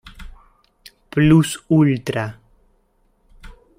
Plus Ultra.